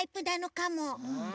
かも。